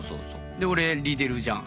で俺リデルじゃん。